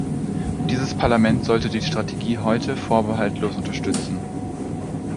Dieses Parlament sollte die Strategie heute vorbehaltlos unterstützen.